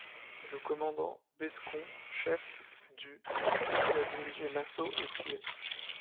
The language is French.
Le commandant Bescond, chef du qui a dirigé l'assaut est tué.